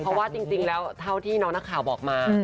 เพราะว่าจริงแล้วเท่าที่น้องนักข่าวบอกมา